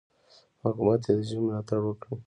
حکومت دې د ژبې ملاتړ وکړي.